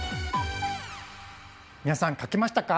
皆さんかけましたか？